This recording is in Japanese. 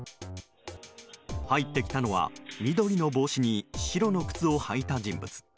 入ってきたのは緑の帽子に白の靴を履いた人物。